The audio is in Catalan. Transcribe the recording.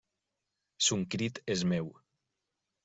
Son crit és meu.